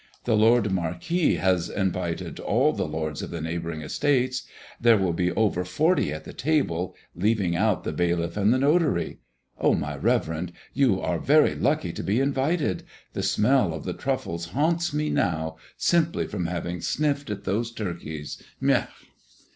The Lord Marquis has invited all the lords of the neighboring estates. There will be over forty at the table, leaving out the bailiff and the notary. Ah, my reverend, you are very lucky to be invited! The smell of the truffles haunts me now, simply from having sniffed at those turkeys, meuh!"